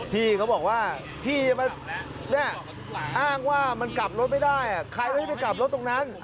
พี่เขาบอกว่าพี่อ้างว่ามันกลับรถไม่ได้ใครไม่ได้ไปกลับรถตรงนั้น